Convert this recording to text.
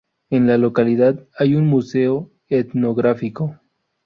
En la localidad hay un museo etnográfico.